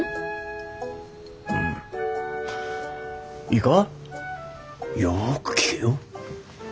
いいかよく聞けよ。